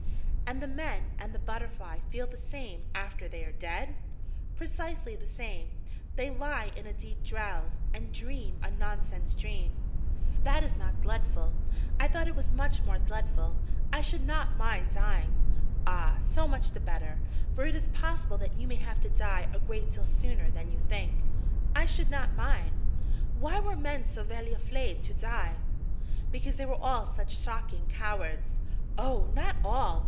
'And the men and the butterfly feel the same after they are dead?' 'Precisely the same. They lie in a deep drowse, and dream a nonsense dream.' 'That is not dleadful. I thought that it was much more dleadful. I should not mind dying.' 'Ah!... so much the better: for it is possible that you may have to die a great deal sooner than you think.' 'I should not mind. Why were men so vely aflaid to die?' 'Because they were all such shocking cowards.' 'Oh, not all!